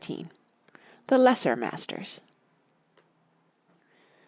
THE LESSER MASTERS.